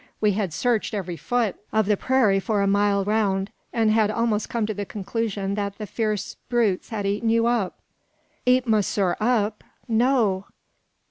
"We had searched every foot of the prairie for a mile round, and had almost come to the conclusion that the fierce brutes had eaten you up." "Eat monsieur up! No!